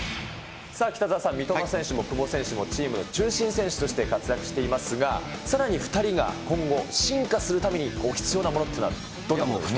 北澤さん、三笘選手も久保選手も、チームの中心選手として活躍していますが、さらに２人が今後、進化するために必要なものっていうのは、どんなものが？